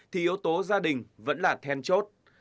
thì yếu tố gia đình vẫn là then chốt